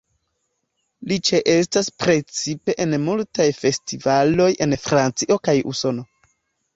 Li ĉeestas precipe en multaj festivaloj en Francio kaj Usono.